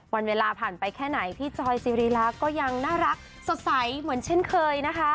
วันเวลาผ่านไปแค่ไหนพี่จอยซีรีลาก็ยังน่ารักสดใสเหมือนเช่นเคยนะคะ